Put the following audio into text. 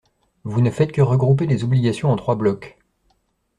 Vous ne faites que regrouper les obligations en trois blocs.